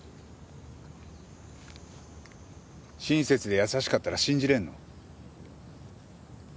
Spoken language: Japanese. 親切で優しかったら信じれるの？